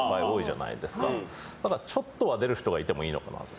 ちょっとは出る人がいてもいいのかなと。